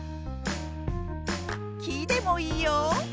「き」でもいいよ！